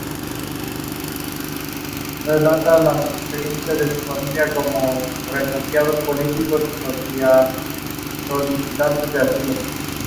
Bárbara había descubierto el secreto.